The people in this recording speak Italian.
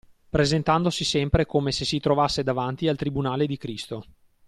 Presentandosi sempre come se si trovasse davanti al tribunale di Cristo